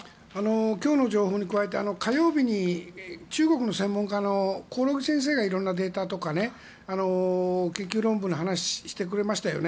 今日の情報に加えて火曜日の中国の専門家の興梠先生がいろんな研究論文の話してくれましたよね。